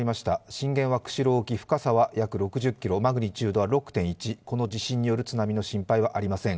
震源は釧路沖、深さは約６０ｋｍ、マグニチュードは６．１、この地震による津波の心配はありません。